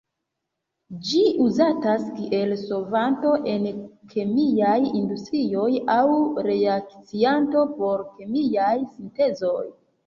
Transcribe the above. Ĝi uzatas kiel solvanto en kemiaj industrioj aŭ reakcianto por kemiaj sintezoj.